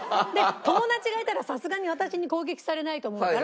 友達がいたらさすがに私に攻撃されないと思うから。